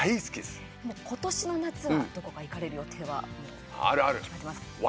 今年の夏はどこか行かれる予定はもう決まってますか？